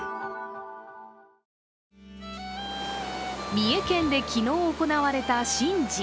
三重県で昨日行われた神事。